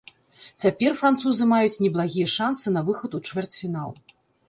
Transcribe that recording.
Цяпер французы маюць неблагія шансы на выхад у чвэрцьфінал.